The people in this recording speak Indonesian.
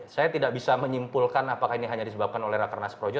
saya tidak bisa menyimpulkan apakah ini hanya disebabkan oleh rakernas projo